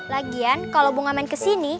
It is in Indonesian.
lagian kalo bunga main kesini